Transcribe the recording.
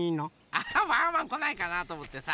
アハッ！ワンワンこないかなとおもってさ